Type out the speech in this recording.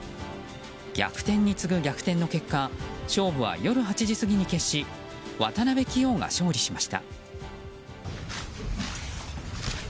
逆転に次ぐ逆転の結果勝負は夜８時に決し渡辺棋王が勝利しました。